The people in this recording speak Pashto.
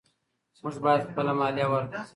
موږ باید خپله مالیه ورکړو.